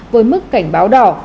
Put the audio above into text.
với mức cảnh báo đỏ